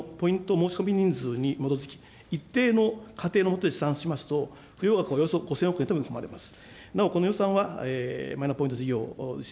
申し込み人数に基づき、一定の仮定の下で試算しますと、付与額はおよそ５０００億円と思われます。